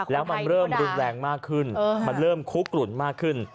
แล้วมันเริ่มรุนแรงมากขึ้นมันเริ่มคุกกลุ่นมากขึ้น